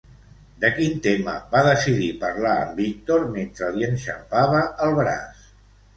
De quin tema va decidir parlar en Víctor mentre li enxampava el braç?